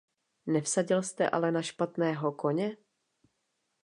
Nevsadil jste ale na špatného koně?